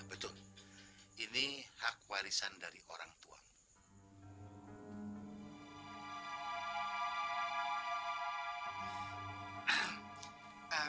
betul ini hak warisan dari orang tuamu